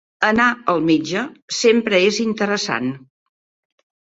Anar al metge sempre és interessant.